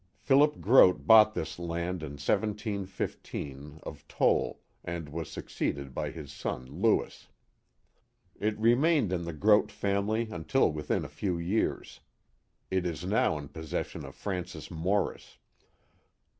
Philip Groot bought this land in 1715 of Toll and was suc ceeded by his son Lewis, It remained in the Groot family until within a few years. It is now in possession of Francis Morris.